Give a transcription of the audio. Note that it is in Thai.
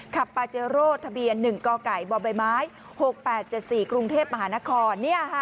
ขับปาเจโรทะเบียน๑กบม๖๘๗๔กรุงเทพฯมหานคร